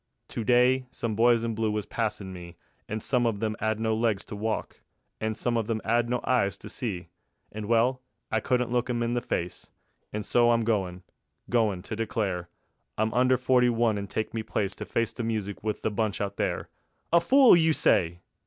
To day some boys in blue was passin' me, And some of 'em they 'ad no legs to walk, And some of 'em they 'ad no eyes to see. And well, I couldn't look 'em in the face, And so I'm goin', goin' to declare I'm under forty one and take me place To face the music with the bunch out there. A fool, you say!